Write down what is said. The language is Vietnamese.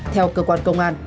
theo cơ quan công an